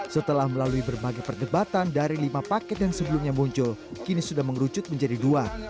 setelah melalui berbagai perdebatan dari lima paket yang sebelumnya muncul kini sudah mengerucut menjadi dua